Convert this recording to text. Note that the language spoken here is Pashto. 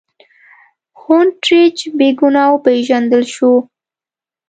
هونټریج بې ګناه وپېژندل شو.